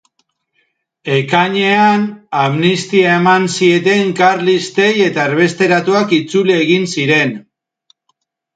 Ekainean, amnistia eman zieten karlistei eta erbesteratuak itzuli egin ziren.